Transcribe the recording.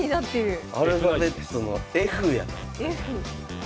アルファベットのＦやなこれは。